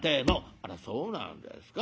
「あらそうなんですか。